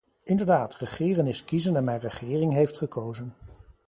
Inderdaad, regeren is kiezen en mijn regering heeft gekozen.